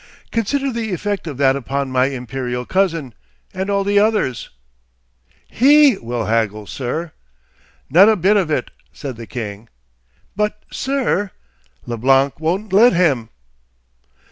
Consider the effect of that upon my imperial cousin—and all the others!' 'He will haggle, sir.' 'Not a bit of it,' said the king. 'But, sir.' 'Leblanc won't let him.